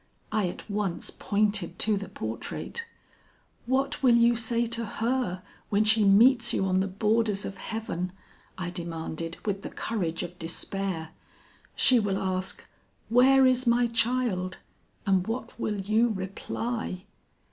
I at once pointed to the portrait. "'What will you say to her when she meets you on the borders of heaven?' I demanded with the courage of despair.' She will ask, 'Where is my child?' And what will you reply?'